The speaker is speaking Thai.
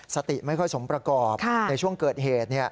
สติไม่ค่อยสมประกอบในช่วงเกิดเหตุ